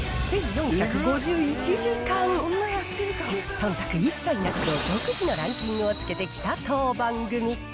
忖度一切なしで独自のランキングをつけてきた当番組。